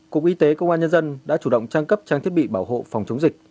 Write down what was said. cục y tế công an nhân dân đã chủ động trang cấp trang thiết bị bảo hộ phòng chống dịch